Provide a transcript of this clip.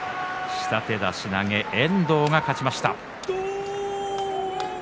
下手出し投げ、遠藤が勝ちました。